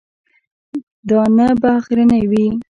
دا نه به اخرنی وي.